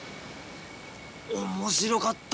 面白かった。